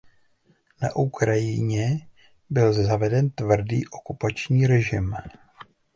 Na Ukrajině byl zaveden tvrdý okupační režim.